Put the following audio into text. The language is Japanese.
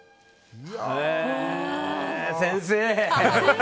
先生！